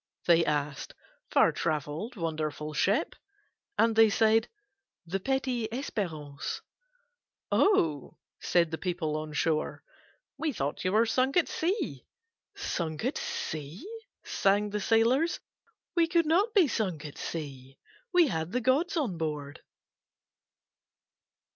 they asked, "far travelled wonderful ship?" And they said: "The Petite Espérance." "O," said the people on shore. "We thought you were sunk at sea." "Sunk at sea?" sang the sailors. "We could not be sunk at sea we had the gods on board."